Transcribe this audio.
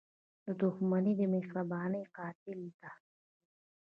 • دښمني د مهربانۍ قاتله ده.